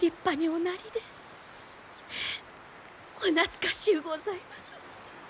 お懐かしゅうございます。